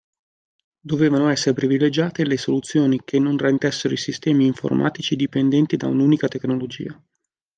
Dovevano essere privilegiate le soluzioni che non rendessero i sistemi informatici dipendenti da un'unica tecnologia.